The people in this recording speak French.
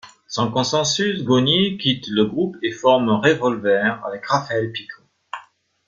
Sans consensus, Goñi quitte le groupe et forme Revólver avec Rafael Picó.